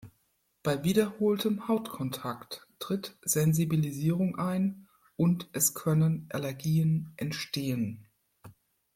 Bei wiederholtem Hautkontakt tritt Sensibilisierung ein und es können Allergien entstehen.